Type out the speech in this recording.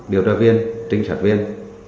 điều tra viên trinh sát viên